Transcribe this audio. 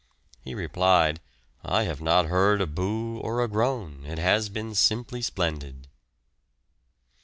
He replied, "I have not heard a 'boo' or a groan; it has been simply splendid."